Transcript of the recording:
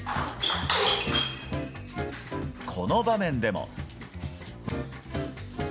この場面でも。